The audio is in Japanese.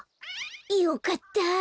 よかった。